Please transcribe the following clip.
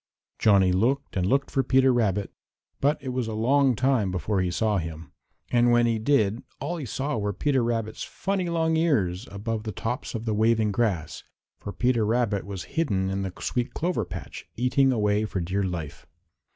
Johnny looked and looked for Peter Rabbit, but it was a long time before he saw him, and when he did all he saw were Peter Rabbit's funny long ears above the tops of the waving grass, for Peter Rabbit was hidden in the sweet clover patch, eating away for dear life.